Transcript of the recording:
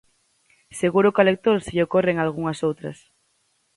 Seguro que ao lector se lle ocorren algunhas outras.